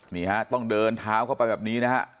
นี่ฮะต้องเดินเท้าเข้าไปแบบนี้นะฮะ